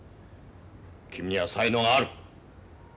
君には才能がある。